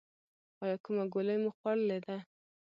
ایا کومه ګولۍ مو خوړلې ده؟